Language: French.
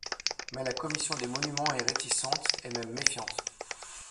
Mais la Commission des monuments est réticente, et même méfiante.